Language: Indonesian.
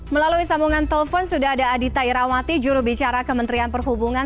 melalui sambungan telpon sudah ada adita irawati juru bicara kementerian perhubungan